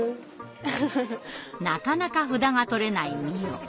なかなか札が取れない美音。